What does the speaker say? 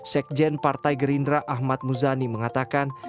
sekjen partai gerindra ahmad muzani mengatakan